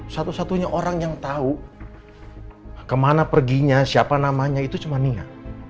satu satunya orang yang tahu kemana perginya siapa namanya itu cuma niat